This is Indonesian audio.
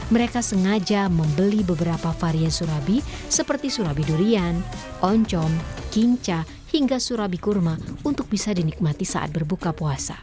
mereka sengaja membeli beberapa varian surabi seperti surabi durian oncom kinca hingga surabi kurma untuk bisa dinikmati saat berbuka puasa